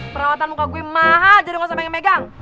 perawatan muka gue mahal jadi gak usah pengen megang